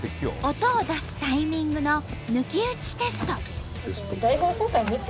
音を出すタイミングの抜き打ちテスト。